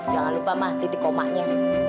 jangan lupa mah titik komanya